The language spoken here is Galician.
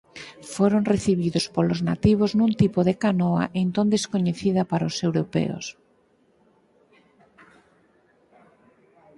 Foron recibidos polos nativos nun tipo de canoa entón descoñecida para os europeos.